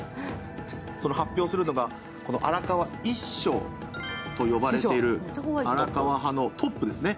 その発表するのが、阿良川一生と言われている阿良川派のトップですね。